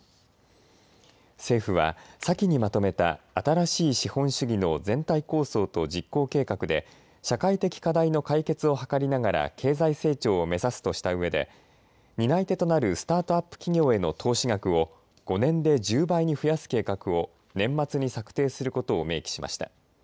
政府は先にまとめた新しい資本主義の全体構想と実行計画で社会的課題の解決を図りながら経済成長を目指すとしたうえで担い手となるスタートアップ企業への投資額を５年で１０倍に増やす計画を年末に策定することを明記しました。